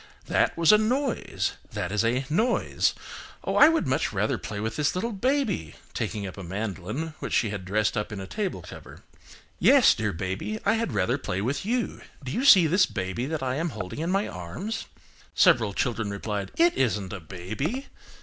That was a noise, that is a noise. Oh! I would much rather play with this little baby (taking up a mandolin which she had dressed up in a table cover). Yes, dear baby, I had rather play with you. Do you see this baby that I am holding in my arms?" Several children replied, "It isn't a baby."